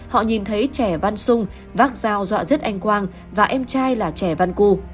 họ nhìn thấy trè văn sung vác dao dọa giết anh quang và em trai là trè văn cu